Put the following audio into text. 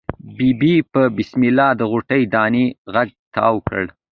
ببۍ په بسم الله د غټې دانی غوږ تاو کړ.